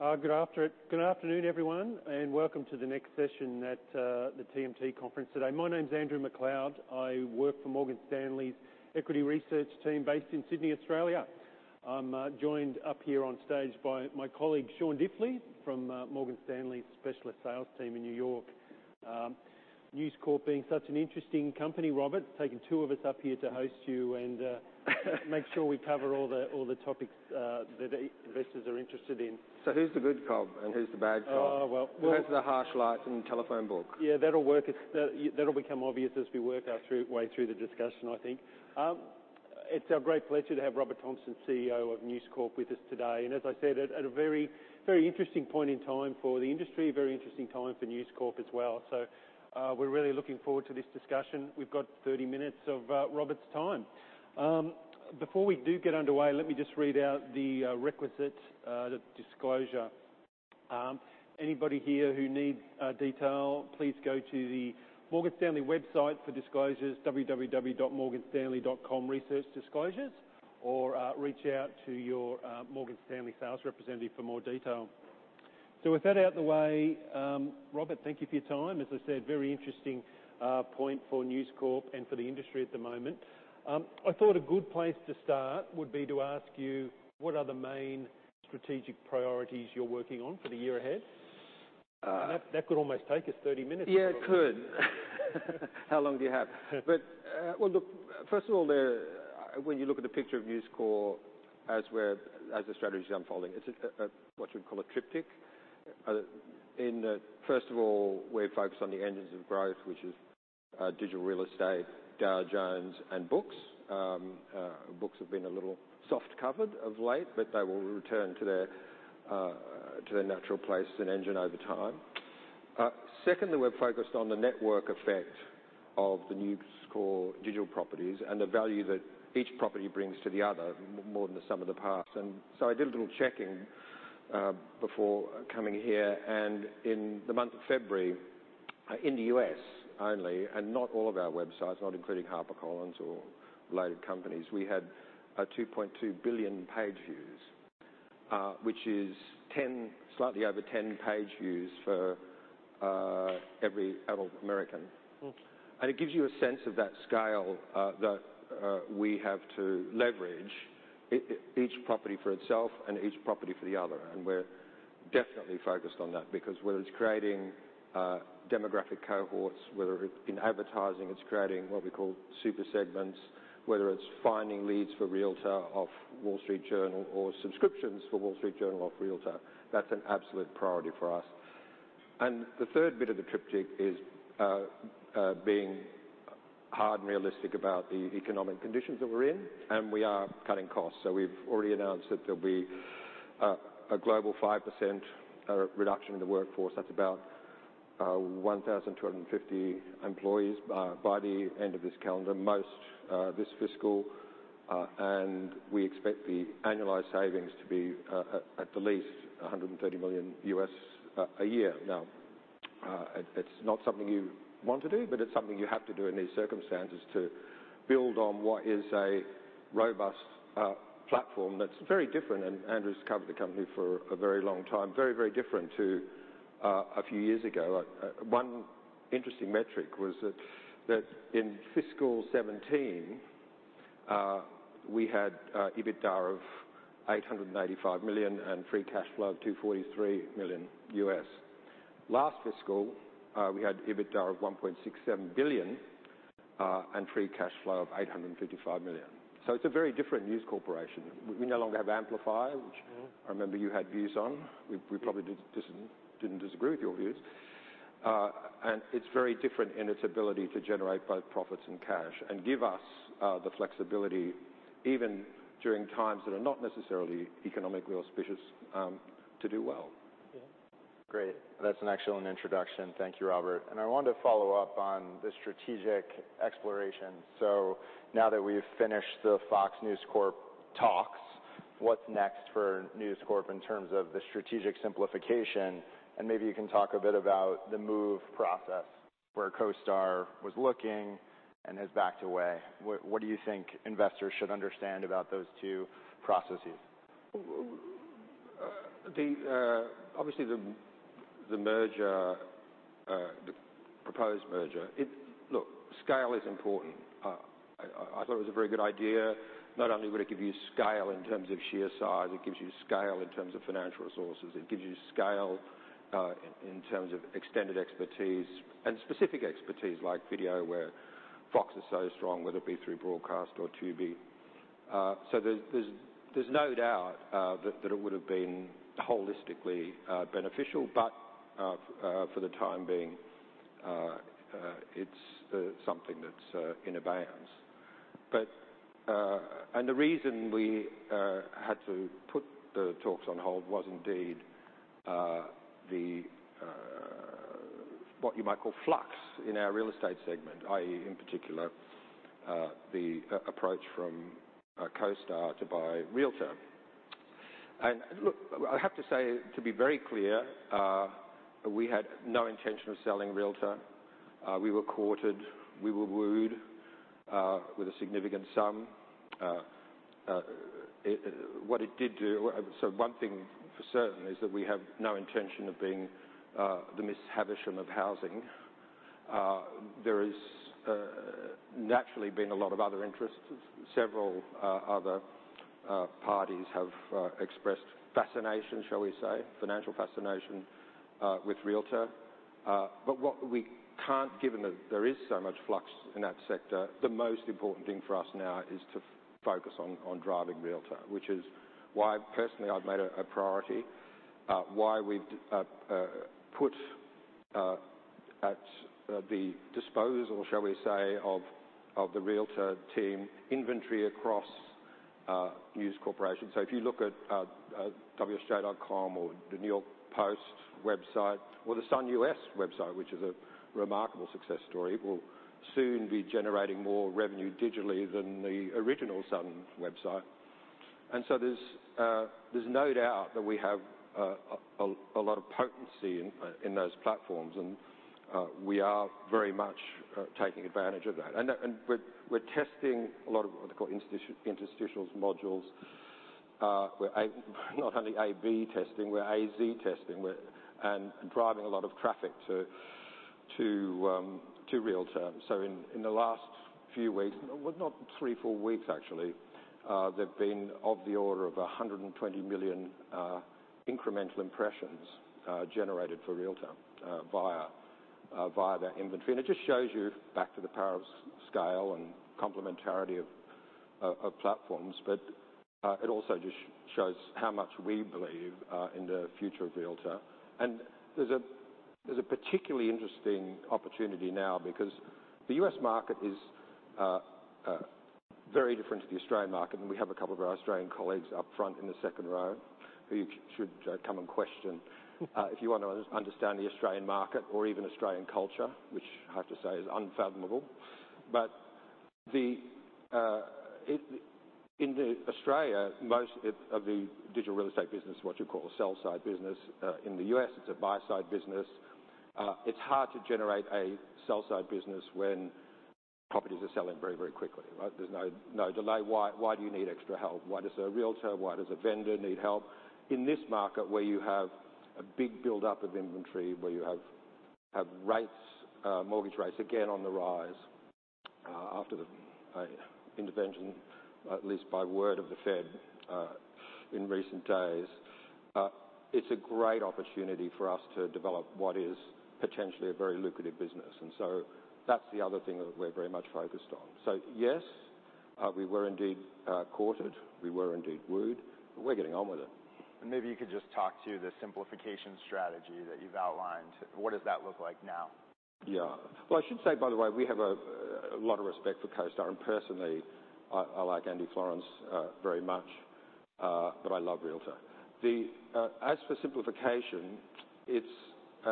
Good afternoon, everyone, welcome to the next session at the TMT conference today. My name's Andrew MacLeod. I work for Morgan Stanley's equity research team based in Sydney, Australia. I'm joined up here on stage by my colleague Sean Diffley from Morgan Stanley's specialist sales team in New York. News Corp being such an interesting company, Robert, it's taken two of us up here to host you and make sure we cover all the topics the investors are interested in. Who's the good cop and who's the bad cop? Oh, well... Who has the harsh light and telephone book? Yeah, that'll work. It's that'll become obvious as we work our way through the discussion, I think. It's our great pleasure to have Robert Thomson, CEO of News Corp, with us today. As I said, at a very, very interesting point in time for the industry, a very interesting time for News Corp as well. We're really looking forward to this discussion. We've got 30 minutes of Robert's time. Before we do get underway, let me just read out the requisite disclosure. Anybody here who needs detail, please go to the Morgan Stanley website for disclosures, www.morganstanley.com/researchdisclosures, or reach out to your Morgan Stanley sales representative for more detail. With that out of the way, Robert, thank you for your time. As I said, very interesting point for News Corp and for the industry at the moment. I thought a good place to start would be to ask you, what are the main strategic priorities you're working on for the year ahead? Uh- That could almost take us 30 minutes. Yeah, it could. How long do you have? Well, look, first of all, when you look at the picture of News Corp as the strategy is unfolding, it's what you'd call a triptych. In that, first of all, we're focused on the engines of growth, which is digital real estate, Dow Jones, and books. Books have been a little soft covered of late, but they will return to their natural place as an engine over time. Secondly, we're focused on the network effect of the News Corp digital properties and the value that each property brings to the other, more than the sum of the parts. I did a little checking, before coming here, and in the month of February, in the U.S. only, and not all of our websites, not including HarperCollins or related companies, we had 2.2 billion page views, which is 10, slightly over 10 page views for every adult American. Mm. It gives you a sense of that scale that we have to leverage each property for itself and each property for the other. We're definitely focused on that because whether it's creating demographic cohorts, whether in advertising, it's creating what we call super segments, whether it's finding leads for Realtor off The Wall Street Journal or subscriptions for The Wall Street Journal off Realtor, that's an absolute priority for us. The third bit of the triptych is being hard and realistic about the economic conditions that we're in, and we are cutting costs. So we've already announced that there'll be a global 5% reduction in the workforce. That's about 1,250 employees by the end of this calendar, most this fiscal. We expect the annualized savings to be at the least $130 million a year. Now, it's not something you want to do, but it's something you have to do in these circumstances to build on what is a robust platform that's very different. Andrew's covered the company for a very long time. Very, very different to a few years ago. One interesting metric was that in fiscal 2017, we had EBITDA of $885 million and free cash flow of $243 million. Last fiscal, we had EBITDA of $1.67 billion and free cash flow of $855 million. It's a very different News Corporation. We no longer have Amplify, which- Mm-hmm. I remember you had views on. We probably didn't disagree with your views. It's very different in its ability to generate both profits and cash and give us the flexibility, even during times that are not necessarily economically auspicious to do well. Yeah. Great. That's an excellent introduction. Thank you, Robert. I wanted to follow up on the strategic exploration. Now that we've finished the Fox News Corp talks, what's next for News Corp in terms of the strategic simplification? Maybe you can talk a bit about the Move process, where CoStar was looking and has backed away. What do you think investors should understand about those two processes? Well, the obviously, the merger, the proposed merger. Look, scale is important. I thought it was a very good idea. Not only would it give you scale in terms of sheer size, it gives you scale in terms of financial resources, it gives you scale in terms of extended expertise and specific expertise like video, where Fox is so strong, whether it be through broadcast or Tubi. There's no doubt that it would have been holistically beneficial. For the time being, it's something that's in abeyance. The reason we had to put the talks on hold was indeed the what you might call flux in our real estate segment, i.e. in particular, the approach from CoStar to buy Realtor. Look, I have to say, to be very clear, we had no intention of selling Realtor. We were courted, we were wooed. With a significant sum. What it did do, one thing for certain is that we have no intention of being the Miss Havisham of housing. There is naturally been a lot of other interest. Several other parties have expressed fascination, shall we say, financial fascination, with Realtor. What we can't, given that there is so much flux in that sector, the most important thing for us now is to focus on driving Realtor. Which is why personally, I've made it a priority. Why we've put at the disposal, shall we say, of the Realtor team inventory across News Corporation. If you look at wsj.com or the New York Post website or The Sun U.S. website, which is a remarkable success story, will soon be generating more revenue digitally than the original The Sun website. There's no doubt that we have a lot of potency in those platforms, and we are very much taking advantage of that. We're testing a lot of what they call interstitials modules. We're not only A/B testing, we're A/Z testing, driving a lot of traffic to Realtor. In the last few weeks, well, not three, four weeks, actually, they've been of the order of 120 million incremental impressions generated for Realtor via that inventory. It just shows you back to the power of scale and complementarity of platforms. It also just shows how much we believe in the future of Realtor. There's a particularly interesting opportunity now because the U.S. market is very different to the Australian market, and we have a couple of our Australian colleagues up front in the second row, who you should come and question if you want to understand the Australian market or even Australian culture, which I have to say is unfathomable. The, in Australia, most of the digital real estate business, what you call sell-side business. In the U.S., it's a buy-side business. It's hard to generate a sell-side business when properties are selling very, very quickly, right? There's no delay. Why do you need extra help? Why does a realtor, why does a vendor need help? In this market where you have a big buildup of inventory, where you have rates, mortgage rates again on the rise, after the intervention, at least by word of The Fed, in recent days. It's a great opportunity for us to develop what is potentially a very lucrative business. That's the other thing that we're very much focused on. Yes, we were indeed courted, we were indeed wooed, but we're getting on with it. Maybe you could just talk to the simplification strategy that you've outlined. What does that look like now? Well, I should say, by the way, we have a lot of respect for CoStar, and personally, I like Andy Florance very much. But I love Realtor. As for simplification, it's, you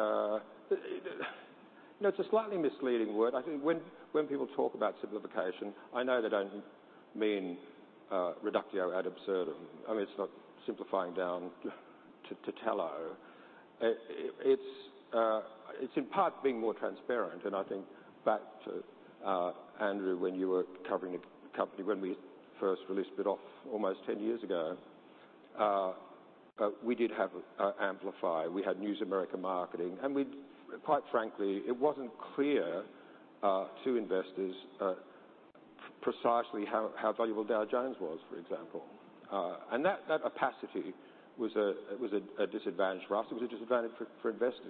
know, it's a slightly misleading word. I think when people talk about simplification, I know they don't mean reductio ad absurdum. I mean, it's not simplifying down to telos. It's in part being more transparent. I think back to Andrew, when you were covering a company, when we first released Lead Off almost 10 years ago, we did have Amplify. We had News America Marketing. Quite frankly, it wasn't clear to investors precisely how valuable Dow Jones was, for example. That opacity was a disadvantage for us. It was a disadvantage for investors.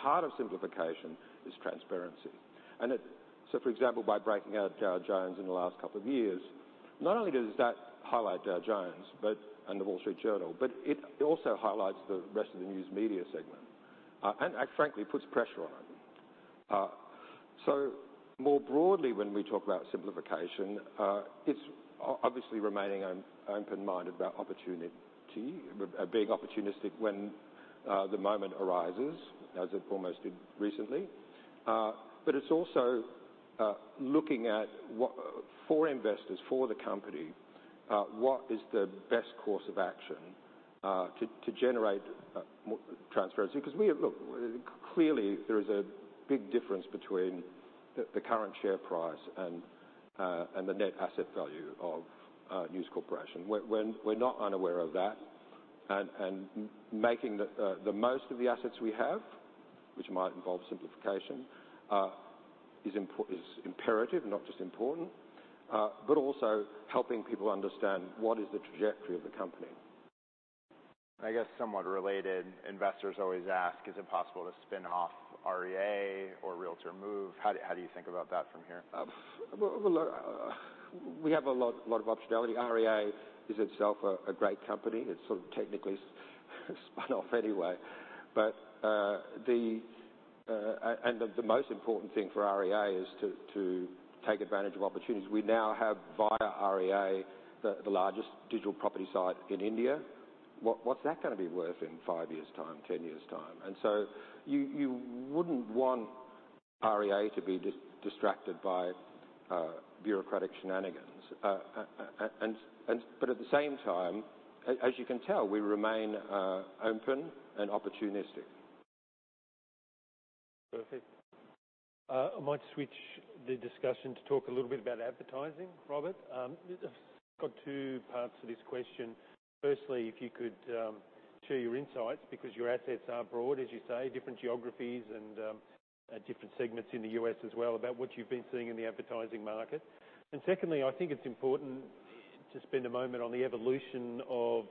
Part of simplification is transparency. So for example, by breaking out Dow Jones in the last couple of years, not only does that highlight Dow Jones, and The Wall Street Journal, but it also highlights the rest of the news media segment, and frankly, puts pressure on it. More broadly, when we talk about simplification, it's obviously remaining an open mind about opportunity, being opportunistic when the moment arises, as it almost did recently. But it's also looking at what... For investors, for the company, what is the best course of action to generate transparency? Look, clearly, there is a big difference between the current share price and the net asset value of News Corporation. We're not unaware of that. Making the most of the assets we have, which might involve simplification, is imperative, not just important, but also helping people understand what is the trajectory of the company. I guess somewhat related, investors always ask, is it possible to spin off REA or Realtor Move? How do you think about that from here? Well, look, we have a lot of optionality. REA is itself a great company. It's sort of technically spun off anyway. The most important thing for REA is to take advantage of opportunities. We now have via REA, the largest digital property site in India. What's that gonna be worth in five years' time, 10 years' time? You wouldn't want REA to be distracted by bureaucratic shenanigans. At the same time, as you can tell, we remain open and opportunistic. Perfect. I might switch the discussion to talk a little bit about advertising, Robert. just got two parts to this question. Firstly, if you could share your insights because your assets are broad, as you say, different geographies and different segments in the U.S. as well, about what you've been seeing in the advertising market. Secondly, I think it's important to spend a moment on the evolution of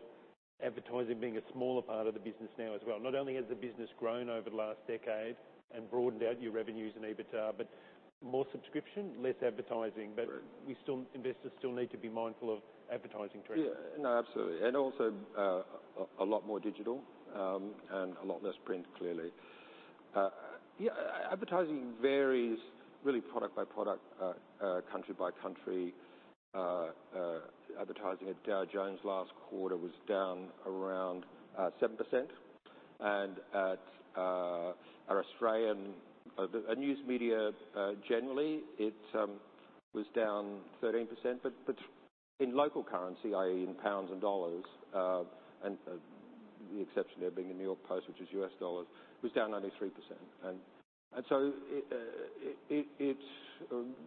advertising being a smaller part of the business now as well. Not only has the business grown over the last decade and broadened out your revenues and EBITDA, but more subscription, less advertising. Right. Investors still need to be mindful of advertising trends. Yeah. No, absolutely. Also, a lot more digital, and a lot less print, clearly. Advertising varies really product by product, country by country. Advertising at Dow Jones last quarter was down around 7%. At our Australian news media, generally, it was down 13%. In local currency, i.e., in pounds and dollars, and the exception there being the New York Post, which is U.S. dollars, was down only 3%. So it's.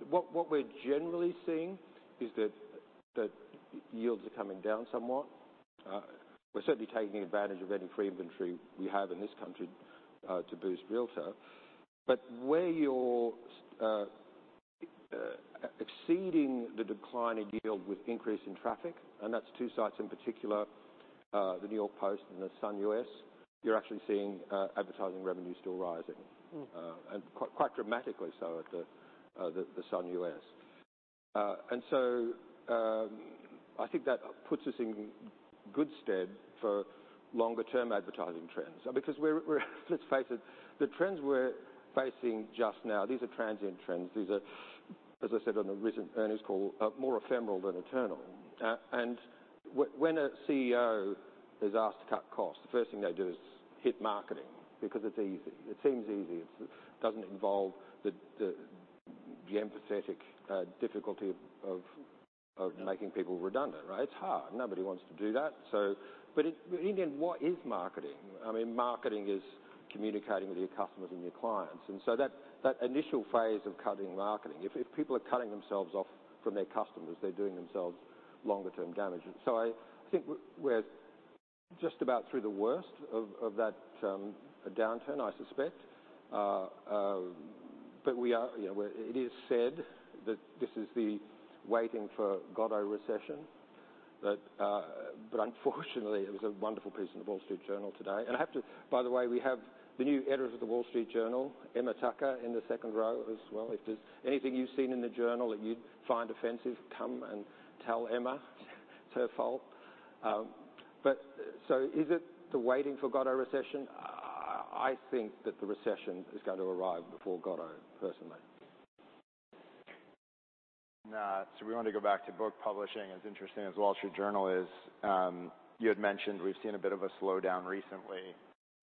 What we're generally seeing is that yields are coming down somewhat. We're certainly taking advantage of any free inventory we have in this country, to boost Realtor. Where you're exceeding the decline in yield with increase in traffic, and that's two sites in particular, the New York Post and The Sun, you're actually seeing advertising revenue still rising. Mm. Quite dramatically so at The Sun. I think that puts us in good stead for longer term advertising trends. Because let's face it, the trends we're facing just now, these are transient trends. These are, as I said on a recent earnings call, more ephemeral than eternal. When a CEO is asked to cut costs, the first thing they do is hit marketing because it's easy. It seems easy. It doesn't involve the empathetic difficulty of making people redundant, right? It's hard. Nobody wants to do that. In the end, what is marketing? I mean, marketing is communicating with your customers and your clients. That initial phase of cutting marketing, if people are cutting themselves off from their customers, they're doing themselves longer term damage. I think we're just about through the worst of that downturn, I suspect. We are, you know, it is said that this is the Waiting for Godot recession, but unfortunately it was a wonderful piece in The Wall Street Journal today. By the way, we have the new editor of The Wall Street Journal, Emma Tucker, in the second row as well. If there's anything you've seen in the Journal that you'd find offensive, come and tell Emma. It's her fault. Is it the Waiting for Godot recession? I think that the recession is going to arrive before Godot, personally. We want to go back to book publishing, as interesting as The Wall Street Journal is. You had mentioned we've seen a bit of a slowdown recently.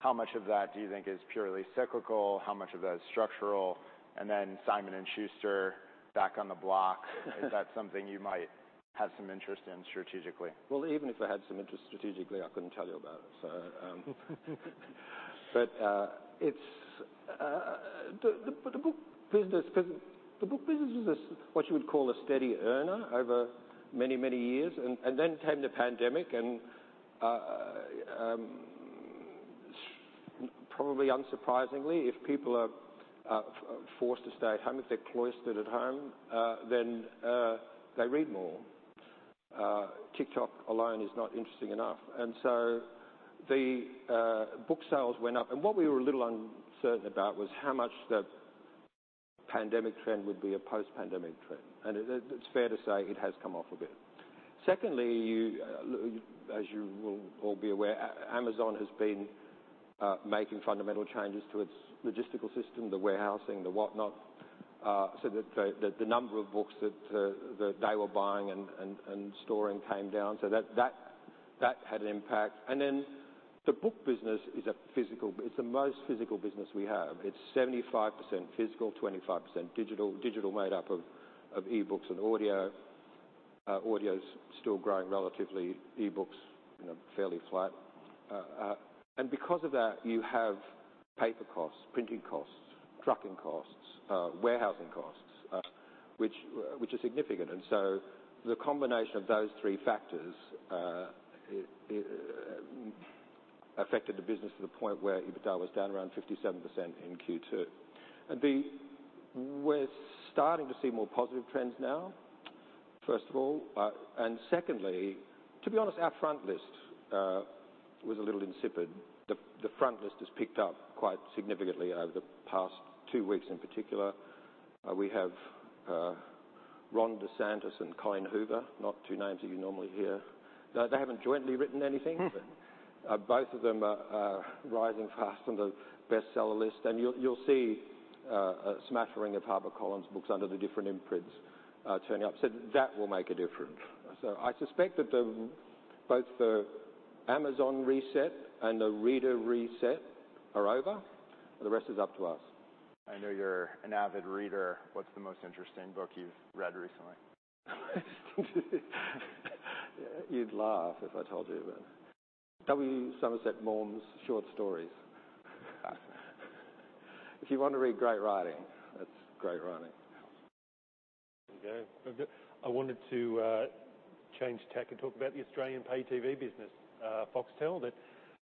How much of that do you think is purely cyclical? How much of that is structural? Simon & Schuster back on the block. Is that something you might have some interest in strategically? Even if I had some interest strategically, I couldn't tell you about it. It's the book business, because the book business was what you would call a steady earner over many, many years. Came the pandemic, probably unsurprisingly, if people are forced to stay at home, if they're cloistered at home, they read more. TikTok alone is not interesting enough. The book sales went up. What we were a little uncertain about was how much the pandemic trend would be a post-pandemic trend. It's fair to say it has come off a bit. As you will all be aware, Amazon has been making fundamental changes to its logistical system, the warehousing, the whatnot, so that the number of books that they were buying and storing came down. That had an impact. The book business is a physical. It's the most physical business we have. It's 75% physical, 25% digital. Digital made up of e-books and audio. Audio's still growing relatively. E-books, you know, fairly flat. Because of that, you have paper costs, printing costs, trucking costs, warehousing costs, which are significant. The combination of those three factors affected the business to the point where EBITDA was down around 57% in Q2. We're starting to see more positive trends now, first of all. Secondly, to be honest, our frontlist was a little insipid. The frontlist has picked up quite significantly over the past two weeks in particular. We have Ron DeSantis and Colin Cowherd, not two names that you normally hear. No, they haven't jointly written anything. Both of them are rising fast on the bestseller list. You'll see a smattering of HarperCollins books under the different imprints turning up. That will make a difference. I suspect that the both the Amazon reset and the reader reset are over. The rest is up to us. I know you're an avid reader. What's the most interesting book you've read recently? You'd laugh if I told you, but W. Somerset Maugham's short stories. If you want to read great writing, that's great writing. Okay. I wanted to change tack and talk about the Australian pay TV business, Foxtel, that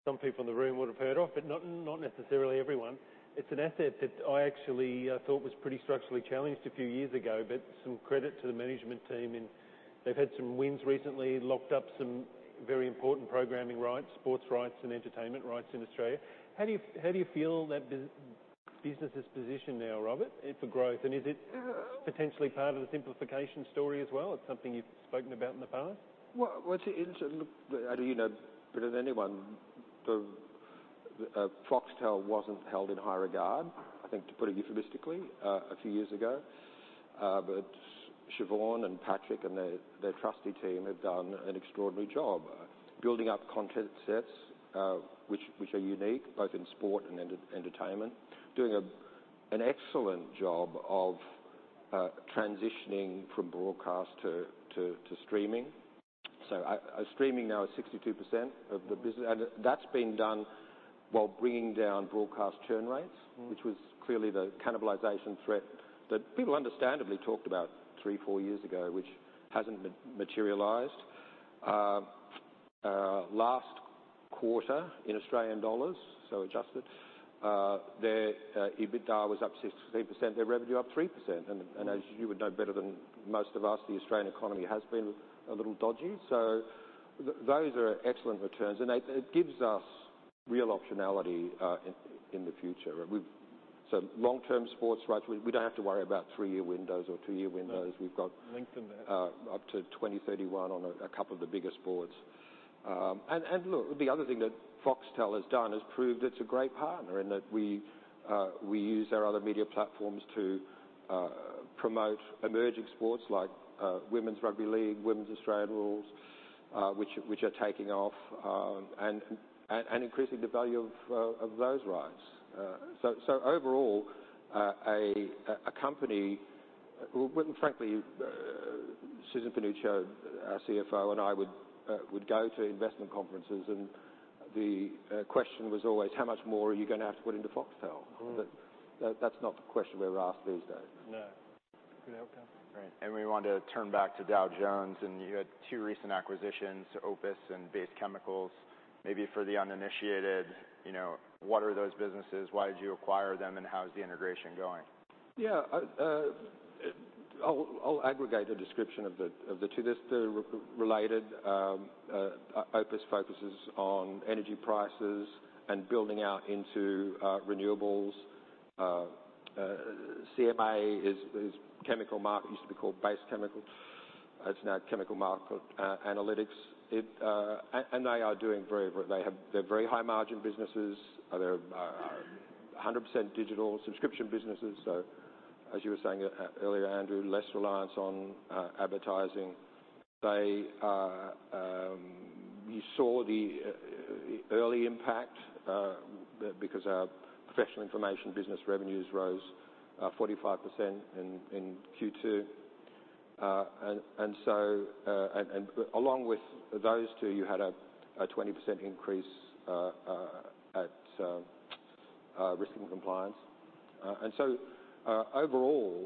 some people in the room would have heard of, but not necessarily everyone. It's an asset that I actually thought was pretty structurally challenged a few years ago, but some credit to the management team, and they've had some wins recently, locked up some very important programming rights, sports rights, and entertainment rights in Australia. How do you feel that business is positioned now, Robert, for growth? Is it potentially part of the simplification story as well? It's something you've spoken about in the past. Well, what's interesting, look, Andrew, you know better than anyone, the Foxtel wasn't held in high regard, I think, to put it euphemistically, a few years ago. Siobhan and Patrick and their trusty team have done an extraordinary job building up content sets, which are unique, both in sport and entertainment. Doing an excellent job of transitioning from broadcast to streaming. Streaming now is 62% of the business. That's been done while bringing down broadcast churn rates. Mm. which was clearly the cannibalization threat that people understandably talked about three, four years ago, which hasn't materialized. Last quarter in Australian dollars, so adjusted, their EBITDA was up 63%, their revenue up 3%. As you would know better than most of us, the Australian economy has been a little dodgy. Those are excellent returns, and it gives us real optionality in the future. Long-term sports rights, we don't have to worry about 3-year windows or 2-year windows. No. We've got- Length in there. up to 2031 on a couple of the biggest boards. Look, the other thing that Foxtel has done is proved it's a great partner in that we use our other media platforms to promote emerging sports like women's rugby league, women's Australian rules, which are taking off, and increasing the value of those rights. Overall, a company who frankly, Susan Panuccio, our CFO, and I would go to investment conferences, and the question was always, "How much more are you gonna have to put into Foxtel? Mm-hmm. That's not the question we're asked these days. No. Good outcome. Right. We want to turn back to Dow Jones, and you had two recent acquisitions, OPIS and Base Chemicals. Maybe for the uninitiated, you know, what are those businesses? Why did you acquire them, and how is the integration going? Yeah. I'll aggregate a description of the two. They're related. OPIS focuses on energy prices and building out into renewables. CMA is Chemical. It used to be called Base Chemical. It's now Chemical Market Analytics. They are doing very high margin businesses. They're 100% digital subscription businesses. As you were saying earlier, Andrew, less reliance on advertising. They are. You saw the early impact because our professional information business revenues rose 45% in Q2. Along with those two, you had a 20% increase at risk and compliance. Overall,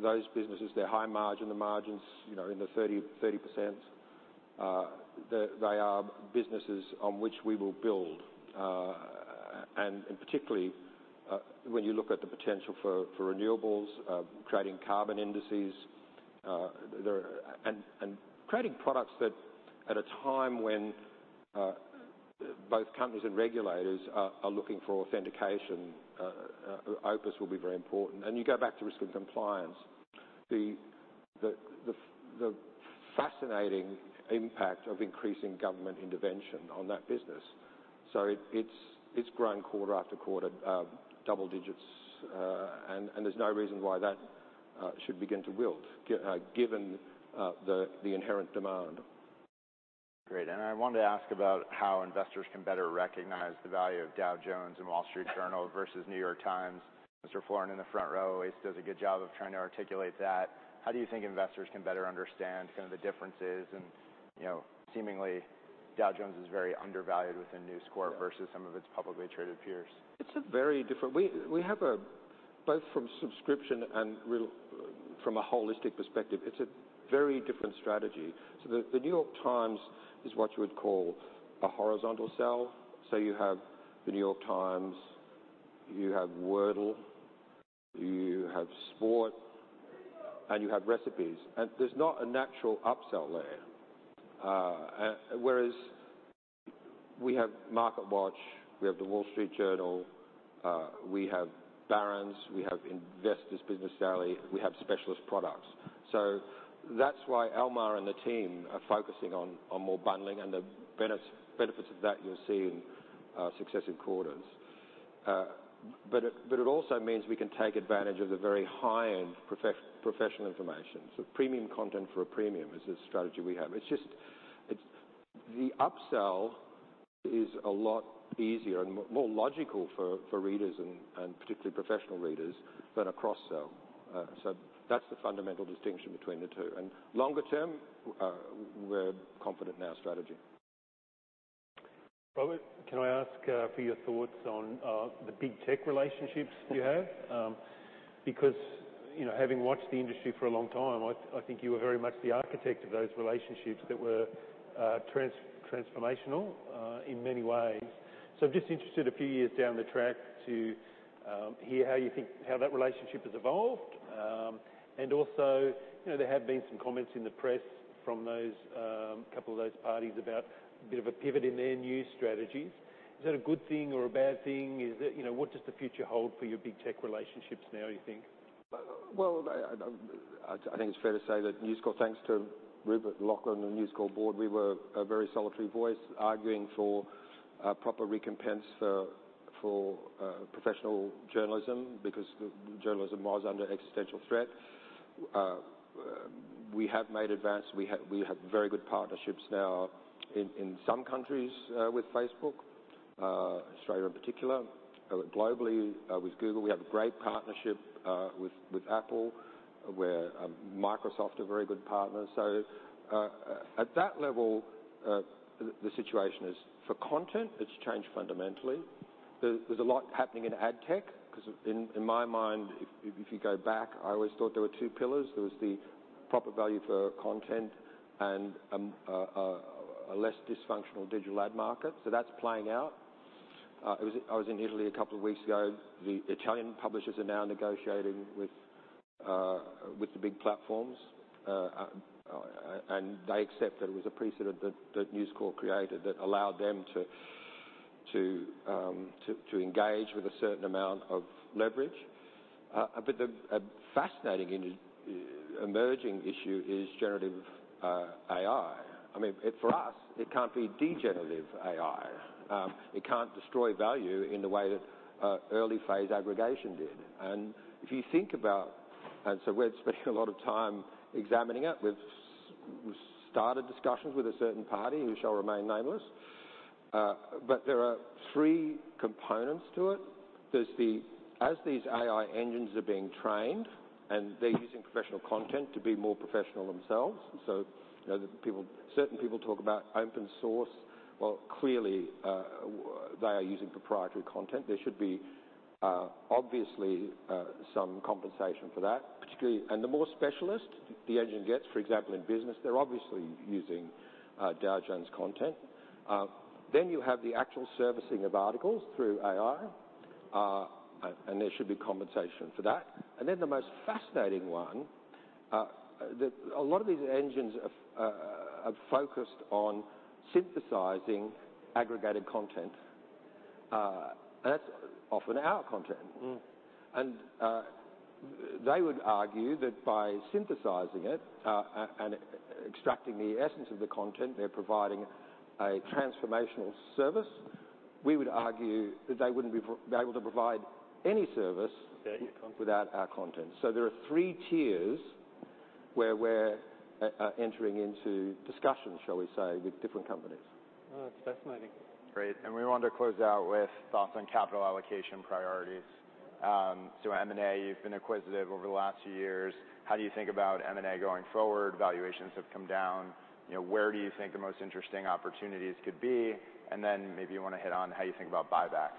those businesses, they're high margin. The margin's, you know, in the 30%. They are businesses on which we will build. Particularly, when you look at the potential for renewables, creating carbon indices, there... Creating products that at a time when both companies and regulators are looking for authentication, OPIS will be very important. You go back to risk and compliance, the fascinating impact of increasing government intervention on that business. It's grown quarter after quarter, double digits, and there's no reason why that should begin to wilt given the inherent demand. Great. I wanted to ask about how investors can better recognize the value of Dow Jones and The Wall Street Journal versus The New York Times. Mr. Florin in the front row always does a good job of trying to articulate that. How do you think investors can better understand some of the differences and, you know, seemingly Dow Jones is very undervalued within News Corp versus some of its publicly traded peers? It's a very different. We have a. Both from subscription and from a holistic perspective, it's a very different strategy. The New York Times is what you would call a horizontal sell. You have The New York Times, you have Wordle, you have sport, and you have recipes. There's not a natural upsell there. Whereas we have MarketWatch, we have The Wall Street Journal, we have Barron's, we have Investor's Business Daily, we have specialist products. That's why Almar and the team are focusing on more bundling and the benefits of that you'll see in successive quarters. But it also means we can take advantage of the very high-end professional information. Premium content for a premium is the strategy we have. It's just, it's the upsell is a lot easier and more logical for readers and particularly professional readers than a cross-sell. That's the fundamental distinction between the two. Longer term, we're confident in our strategy. Robert, can I ask for your thoughts on the big tech relationships you have? Because, you know, having watched the industry for a long time, I think you are very much the architect of those relationships that were transformational in many ways. Just interested a few years down the track to hear how you think how that relationship has evolved. Also, you know, there have been some comments in the press from those couple of those parties about a bit of a pivot in their news strategies. Is that a good thing or a bad thing? You know, what does the future hold for your big tech relationships now, you think? Well, I think it's fair to say that News Corp, thanks to Rupert Murdoch and the News Corp board, we were a very solitary voice arguing for proper recompense for professional journalism because journalism was under existential threat. We have made advances. We have very good partnerships now in some countries with Facebook, Australia in particular. Globally with Google. We have a great partnership with Apple. Microsoft are very good partners. At that level, the situation is for content, it's changed fundamentally. There's a lot happening in AdTech, 'cause in my mind, if you go back, I always thought there were two pillars. There was the proper value for content and a less dysfunctional digital ad market. That's playing out. I was in Italy two weeks ago. The Italian publishers are now negotiating with the big platforms. They accept that it was a precedent that News Corp created that allowed them to engage with a certain amount of leverage. The fascinating emerging issue is Generative AI. I mean, for us, it can't be degenerative AI. It can't destroy value in the way that early phase aggregation did. We're spending a lot of time examining it. We've started discussions with a certain party who shall remain nameless. There are three components to it. As these AI engines are being trained, they're using professional content to be more professional themselves, certain people talk about open source. Well, clearly, they are using proprietary content. There should be some compensation for that, particularly. The more specialist the engine gets, for example, in business, they're obviously using Dow Jones content. Then you have the actual servicing of articles through AI, there should be compensation for that. The most fascinating one, that a lot of these engines are focused on synthesizing aggregated content, that's often our content. Mm. They would argue that by synthesizing it, and extracting the essence of the content, they're providing a transformational service. We would argue that they wouldn't be able to provide any service. Their content.... without our content. There are three tiers where we're entering into discussions, shall we say, with different companies. Oh, that's fascinating. Great. We want to close out with thoughts on capital allocation priorities. M&A, you've been acquisitive over the last few years. How do you think about M&A going forward? Valuations have come down. You know, where do you think the most interesting opportunities could be? Maybe you wanna hit on how you think about buybacks.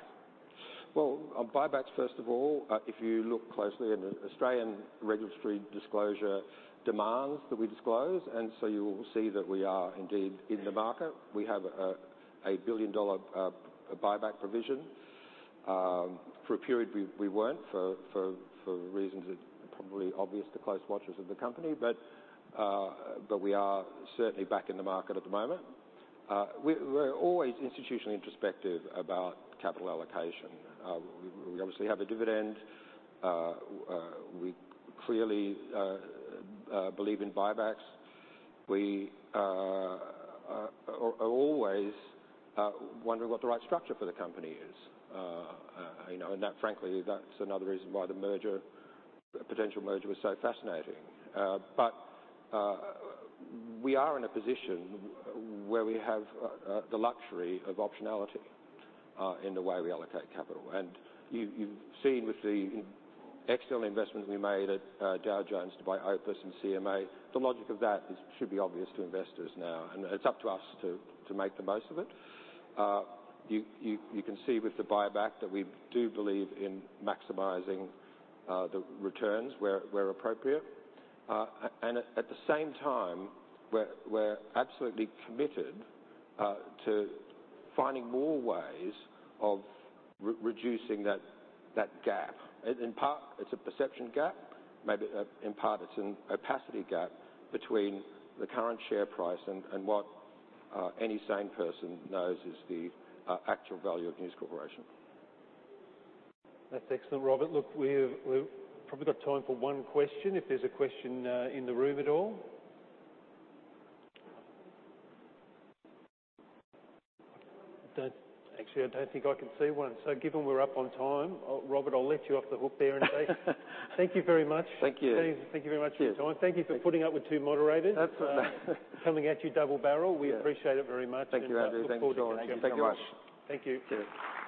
On buybacks, first of all, if you look closely at an Australian registry disclosure demands that we disclose, you will see that we are indeed in the market. We have a billion-dollar buyback provision. For a period, we weren't for reasons that are probably obvious to close watchers of the company, but we are certainly back in the market at the moment. We're always institutionally introspective about capital allocation. We obviously have a dividend. We clearly believe in buybacks. We are always wondering what the right structure for the company is. You know, frankly, that's another reason why the potential merger was so fascinating. We are in a position where we have the luxury of optionality in the way we allocate capital. You've seen with the external investments we made at Dow Jones to buy OPIS and CMA. The logic of that should be obvious to investors now, and it's up to us to make the most of it. You can see with the buyback that we do believe in maximizing the returns where appropriate. At the same time, we're absolutely committed to finding more ways of re-reducing that gap. In part, it's a perception gap. Maybe in part, it's an opacity gap between the current share price and what any sane person knows is the actual value of News Corporation. That's excellent, Robert. Look, we've probably got time for one question if there's a question in the room at all. Actually, I don't think I can see one. Given we're up on time, Robert, I'll let you off the hook there and say thank you very much. Thank you. Thank you very much for your time. Cheers. Thank you for putting up with two moderators. That's all right. Coming at you double barrel. Yeah. We appreciate it very much. Thank you, Andrew. Thanks, Sean. Look forward to catching up with you. Thank you. Thank you very much. Thank you. Cheers.